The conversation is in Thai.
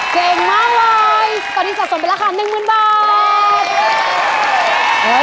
เจ๋งมากว๊ายตอนนี้สะสมเป็นราคา๑๐๐๐๐บาท